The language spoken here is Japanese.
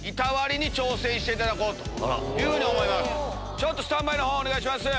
ちょっとスタンバイの方をお願いします。